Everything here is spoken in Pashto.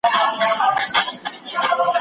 تاريخ د تېرو پېښو يو رښتينی انځور وړاندې کوي.